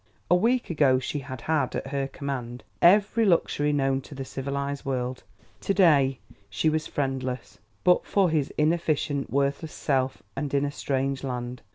A week ago she had had at her command every luxury known to the civilized world; to day she was friendless, but for his inefficient, worthless self, and in a strange land.